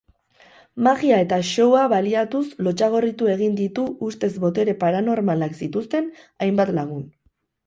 Magia eta showa baliatuz lotsagorritu egin ditu ustez botere paranormalak zituzten hainbat lagun.